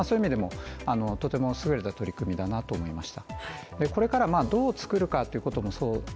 そういう意味でもとても優れた取り組みだなと思いました。